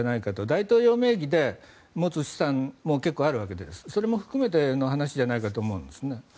大統領名義で持つ資産も結構あるわけでそれも含めての話じゃないかと思うんですね。